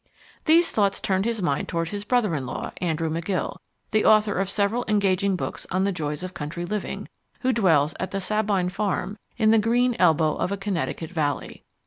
These thoughts turned his mind toward his brother in law Andrew McGill, the author of several engaging books on the joys of country living, who dwells at the Sabine Farm in the green elbow of a Connecticut valley.